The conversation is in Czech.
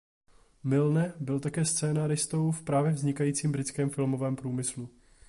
Milne byl také scenáristou v právě vznikajícím britském filmovém průmyslu.